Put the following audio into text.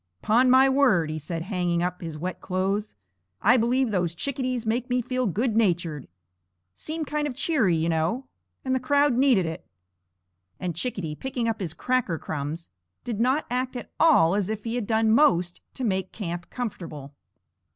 "'Pon my word," he said, hanging up his wet clothes, "I believe those chickadees make me feel good natured. Seem kind of cheery, you know, and the crowd needed it." And Chickadee, picking up his cracker crumbs, did not act at all as if he had done most to make camp comfortable.